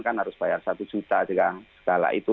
kan harus bayar satu juta juga segala itu